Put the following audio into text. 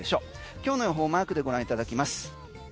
今日の予報マークでご覧いただきます。